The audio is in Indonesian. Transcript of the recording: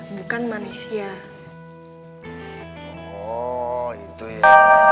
bukan manisia oh itu ya